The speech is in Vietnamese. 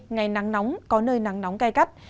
ngày nắng nóng có nơi nắng nóng cay cắt